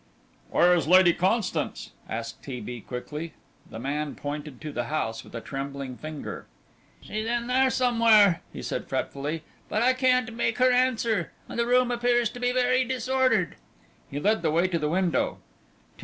"Where is Lady Constance?" asked T. B., quickly. The man pointed to the house with trembling finger. "She's in there somewhere," he said, fretfully, "but I can't make her answer ... and the room appears to be very disordered." He led the way to the window.